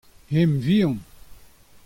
Hemañ vihan.